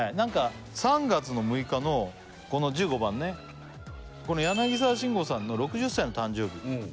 ３月６日のこの１５番ねこの柳沢慎吾さんの６０歳の誕生日